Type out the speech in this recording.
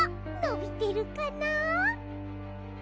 のびてるかな。